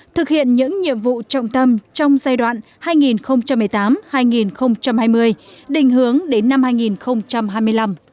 thực hiện những nhiệm vụ trọng tâm trong giai đoạn hai nghìn một mươi tám hai nghìn hai mươi đình hướng đến năm hai nghìn hai mươi năm